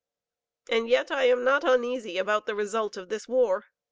And yet I am not uneasy about the result of this war.